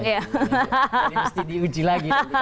jadi mesti diuji lagi